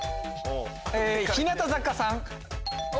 日向坂さん。